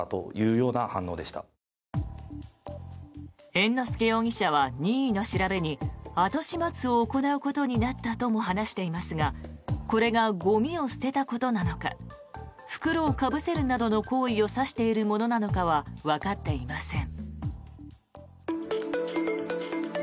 猿之助容疑者は任意の調べに後始末を行うことになったとも話していますがこれがゴミを捨てたことなのか袋をかぶせるなどの行為を指しているものなのかはわかっていません。